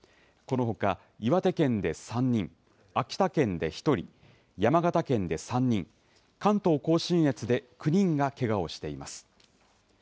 このほか岩手県で３人、秋田県で１人、山形県で３人、関東甲信越で９人がけがをしています。